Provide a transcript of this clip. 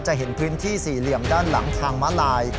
เห็นพื้นที่สี่เหลี่ยมด้านหลังทางม้าลาย